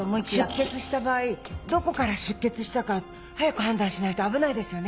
出血した場合どこから出血したか早く判断しないと危ないですよね。